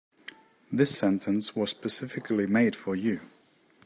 This sentence was specifically made for you.